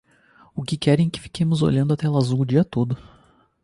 O que querem é que fiquemos olhando a tela azul o dia todo